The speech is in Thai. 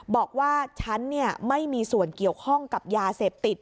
บอกว่าฉันไม่มีส่วนเกี่ยวข้องกับยาเสพติด